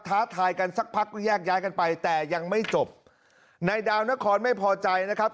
ท้าทายกันสักพักก็แยกย้ายกันไปแต่ยังไม่จบนายดาวนครไม่พอใจนะครับ